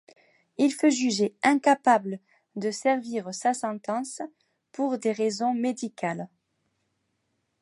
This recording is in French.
Il fut jugé incapable de servir sa sentence pour des raisons médicales.